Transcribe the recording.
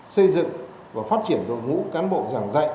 xây dựng và phát triển đội ngũ cán bộ giảng dạy